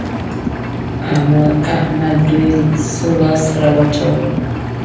احمد دوی څو لاس سره واچول؟